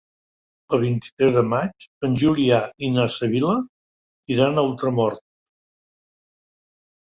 El vint-i-tres de maig en Julià i na Sibil·la iran a Ultramort.